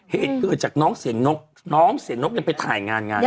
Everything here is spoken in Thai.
เหตุเกิดจากน้องเสียงนกน้องเสียงนกยังไปถ่ายงานงาน